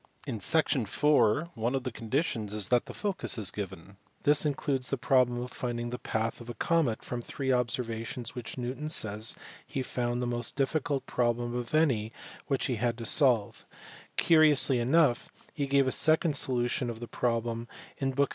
In section four one of the conditions is that the focus is given ; this includes the problem of finding the path of a comet from three observations which Newton says he found the most difficult problem of any which he had to solve : curiously enough he gave a second solution of this problem in book in.